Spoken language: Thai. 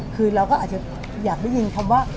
คือเราก็อาจจะอยากได้ยินคำว่า